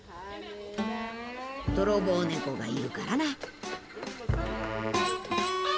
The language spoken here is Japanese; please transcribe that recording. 泥棒猫がいるからな。